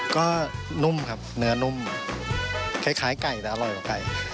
ก็นุ่มครับเนื้อนุ่มคล้ายไก่แต่อร่อยกว่าไก่